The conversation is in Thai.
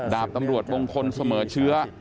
ดาบตำรวจมงคลเสมอเชื้อ